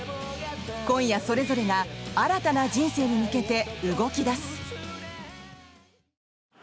今夜、それぞれが新たな人生に向けて動き出す。